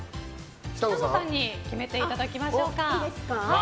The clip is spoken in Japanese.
北乃さんに決めていただきましょうか。